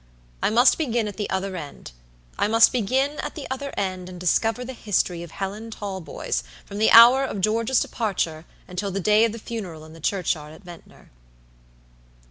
I must begin at the other endI must begin at the other end, and discover the history of Helen Talboys from the hour of George's departure until the day of the funeral in the churchyard at Ventnor."